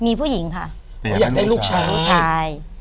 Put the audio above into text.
มีผู้หญิงค่ะเขาอยากได้ลูกชายใช่